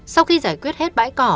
sau khi giải quyết hết bãi cỏ